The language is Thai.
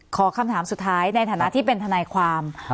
ขอคำถามสุดท้ายในฐานะที่เป็นทนายความ